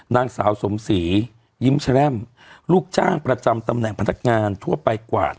นางสาวสมศรียิ้มแชร่มลูกจ้างประจำตำแหน่งพนักงานทั่วไปกวาด